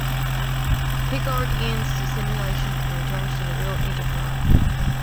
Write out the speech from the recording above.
Picard ends the simulation and returns to the real "Enterprise".